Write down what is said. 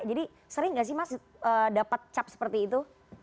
jadi sering nggak sih mas dapat cap seperti itu